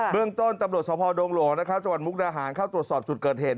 เรื่องต้นตำรวจสภดงหลวงจังหวัดมุกดาหารเข้าตรวจสอบจุดเกิดเหตุ